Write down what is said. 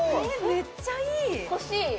めっちゃいい！